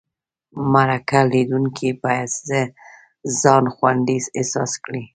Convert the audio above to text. مرکه کېدونکی باید ځان خوندي احساس کړي.